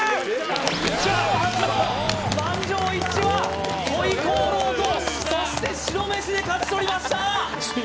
今日初の満場一致は回鍋肉とそして白飯で勝ち取りました！